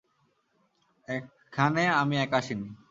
এখানে আমি একা আসিনি।